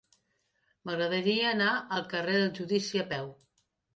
M'agradaria anar al carrer del Judici a peu.